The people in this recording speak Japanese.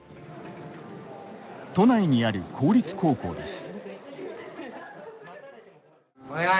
都内にある公立高校です。